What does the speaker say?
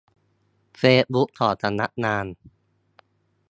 เฟซบุ๊กของสำนักงาน